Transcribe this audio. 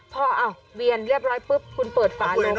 พอเวียนเรียบร้อยปุ๊บคุณเปิดฝานมา